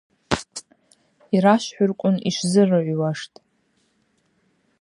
Йрашвхӏвырквын йшвзырыгӏвуаштӏ.